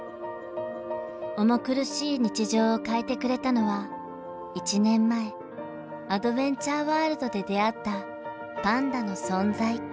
重苦しい日常を変えてくれたのは１年前アドベンチャーワールドで出会ったパンダの存在。